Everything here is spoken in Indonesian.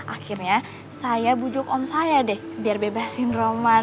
akhirnya saya bujuk om saya deh biar bebasin roman